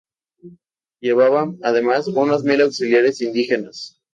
Llevaba, además, unos mil auxiliares indígenas.